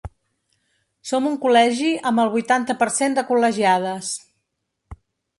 Som un col·legi amb el vuitanta per cent de col·legiades.